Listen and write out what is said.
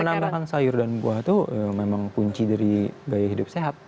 penambahan sayur dan buah itu memang kunci dari gaya hidup sehat